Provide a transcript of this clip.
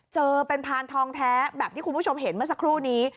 เจอเป็นพานทองแท้แบบที่คุณผู้ชมเห็นเมื่อสักครู่นี้